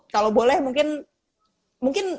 kalau boleh mungkin mungkin